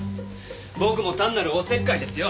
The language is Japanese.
僕も単なるおせっかいですよ。